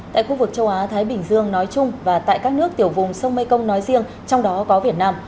tại khu vực châu á thái bình dương nói chung và tại các nước tiểu vùng sông mekong nói riêng trong đó có việt nam